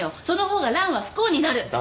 その方がランは不幸になる。